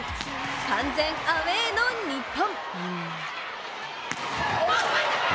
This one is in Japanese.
完全アウェーの日本。